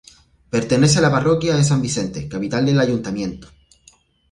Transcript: Pertenece a la parroquia de San Vicente, capital del ayuntamiento.